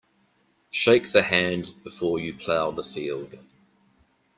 Shake the hand before you plough the field.